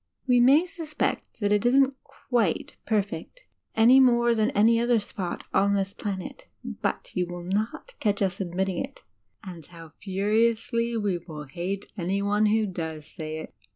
We may suspect that it isn't quitt perfect, any more than any other spot on this planet, but you will not catch us admining it. And how furiously we hate any one who does say it!